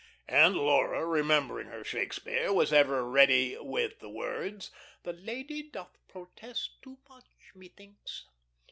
And Laura, remembering her "Shakespeare," was ever ready with the words: "The lady doth protest too much, methinks."